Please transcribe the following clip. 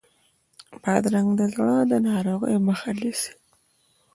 بادرنګ د زړه ناروغیو مخه نیسي.